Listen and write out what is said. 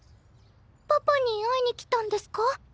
パパに会いに来たんですか？